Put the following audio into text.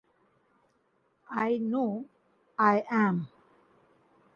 I know I am.